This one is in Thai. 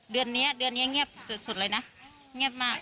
เดือนนี้เดือนนี้เงียบสุดเลยนะเงียบมาก